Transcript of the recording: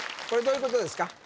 これどういうことですか？